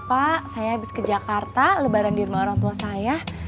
pak saya habis ke jakarta lebaran di rumah orang tua saya